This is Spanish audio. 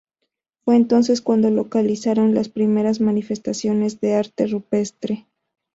Fue entonces cuando localizaron las primeras manifestaciones de arte rupestre.